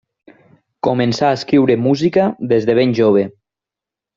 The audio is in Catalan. Començà a escriure música des de ben jove.